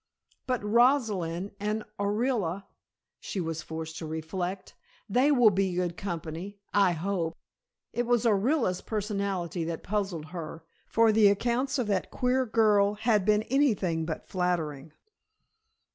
"But Rosalind and Orilla," she was forced to reflect, "they will be good company I hope." It was Orilla's personality that puzzled her, for the accounts of that queer girl had been anything but flattering.